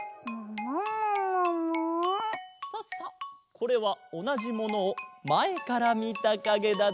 これはおなじものをまえからみたかげだぞ。